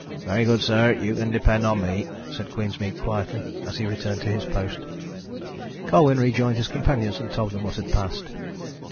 "Very good, sir, you can depend on me," said Queensmead quietly, as he returned to his post. Colwyn rejoined his companions, and told them what had passed.